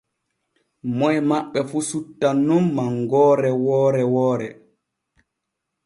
Moy maɓɓe fu suttan nun mangoore woore woore.